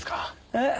えっ？